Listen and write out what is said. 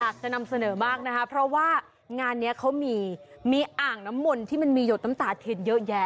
อยากจะนำเสนอมากนะคะเพราะว่างานนี้เขามีมีอ่างน้ำมนต์ที่มันมีหยดน้ำตาเทียนเยอะแยะ